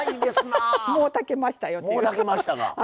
もう炊けましたよ。